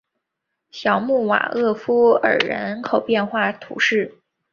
小穆瓦厄夫尔人口变化图示